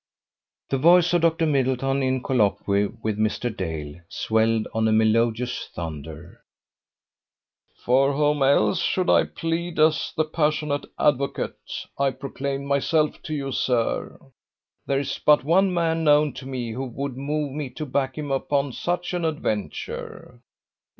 The voice of Dr. Middleton in colloquy with Mr. Dale swelled on a melodious thunder: "For whom else should I plead as the passionate advocate I proclaimed myself to you, sir? There is but one man known to me who would move me to back him upon such an adventure.